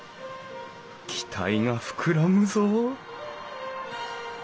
期待が膨らむぞ